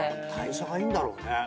代謝がいいんだろうね。